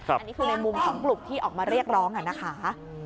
อันนี้คือในมุมของกลุ่มที่ออกมาเรียกร้องนะคะ